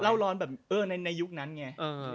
เล่าร้อนแบบในยุคนั้นไง